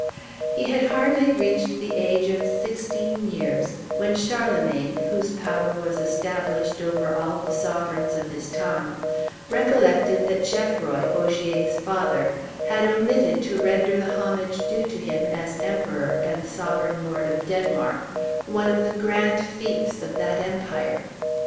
He had hardly reached the age of sixteen years when Charlemagne, whose power was established over all the sovereigns of his time, recollected that Geoffroy, Ogier's father, had omitted to render the homage due to him as Emperor, and sovereign lord of Denmark, one of the grand fiefs of the empire.